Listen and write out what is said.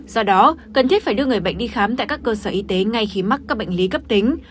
do đó cần thiết phải đưa người bệnh đi khám tại các cơ sở y tế ngay khi mắc các bệnh lý cấp tính